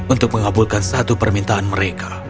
untuk mengabulkan satu permintaan mereka